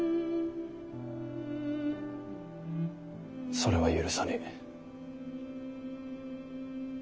それは許さねぇ。